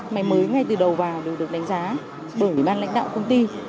máy mới ngay từ đầu vào đều được đánh giá bởi bàn lãnh đạo công ty